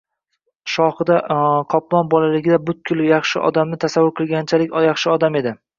Shohida Qoplon bolaligida butkul yaxshi odamni tasavvur qilganichalik yaxshi odam edi